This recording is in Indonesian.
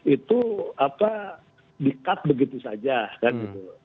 itu apa di cut begitu saja kan gitu